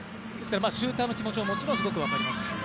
シューターの気持ちはもちろんすごく分かりますし。